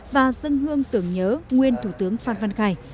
và dân hương tưởng nhớ nguyên thủ tướng phan văn khải